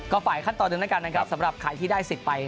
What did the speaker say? ต่อไปขั้นตอนหนึ่งนะครับสำหรับขายที่ได้สิทธิ์ไป